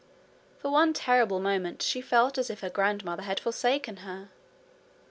For one terrible moment she felt as if her grandmother had forsaken her.